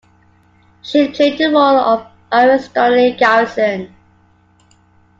She played the role of Iris Donnelly Garrison.